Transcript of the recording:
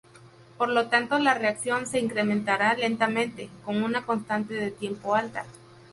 Por lo tanto la reacción se incrementará lentamente, con una constante de tiempo alta.